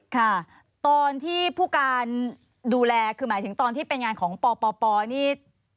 ค่ะตอนที่ผู้การดูแลคือหมายถึงตอนที่เป็นงานของปปนี่